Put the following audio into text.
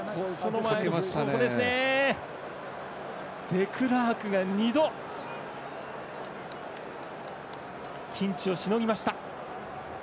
デクラークが２度ピンチをしのぎました。